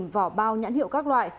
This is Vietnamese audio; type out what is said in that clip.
hai vỏ bao nhãn hiệu các loại